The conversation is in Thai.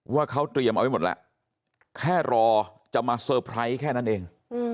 ว่าเขาเตรียมเอาไว้หมดแล้วแค่รอจะมาเซอร์ไพรส์แค่นั้นเอง